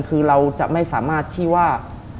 คือเราจะไม่สามารถที่ว่า